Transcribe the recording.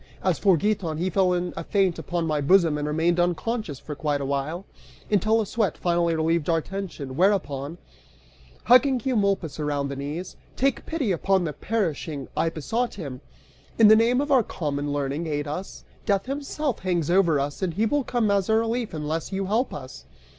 As for Giton, he fell in a faint upon my bosom and remained unconscious for quite a while, until a sweat finally relieved our tension, whereupon, hugging Eumolpus around the knees, "Take pity upon the perishing," I besought him, "in the name of our common learning, aid us! Death himself hangs over us, and he will come as a relief unless you help us!"